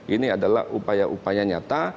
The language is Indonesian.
ini adalah upaya upaya nyata